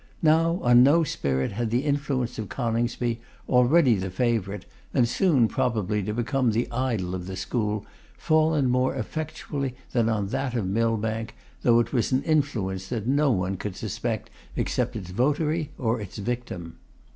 Now, on no spirit had the influence of Coningsby, already the favourite, and soon probably to become the idol, of the school, fallen more effectually than on that of Millbank, though it was an influence that no one could suspect except its votary or its victim.